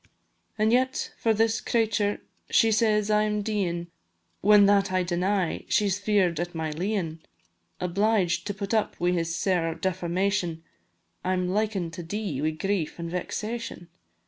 An' yet for this cratur' she says I am deein', When that I deny, she 's fear'd at my leein'; Obliged to put up wi' this sair defamation, I'm liken to dee wi' grief an' vexation.